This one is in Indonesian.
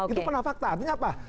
itu pernah fakta artinya apa